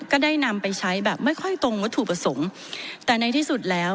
ก็ได้นำไปใช้แบบไม่ค่อยตรงวัตถุประสงค์แต่ในที่สุดแล้ว